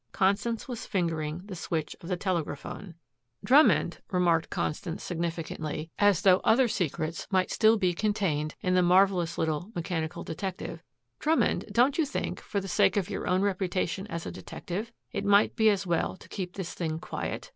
Constance was fingering the switch of the telegraphone. "Drummond," remarked Constance significantly, as though other secrets might still be contained in the marvelous little mechanical detective, "Drummond, don't you think, for the sake of your own reputation as a detective, it might be as well to keep this thing quiet?"